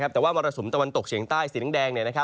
แต่ว่ามรสุมตะวันตกเฉียงใต้สีแดง